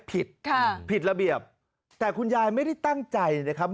ผิดค่ะผิดระเบียบแต่คุณยายไม่ได้ตั้งใจนะครับ